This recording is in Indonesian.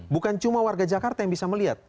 bukan cuma warga jakarta yang bisa melihat